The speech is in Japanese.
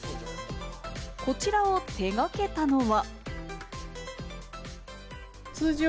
こちらを手がけたのは。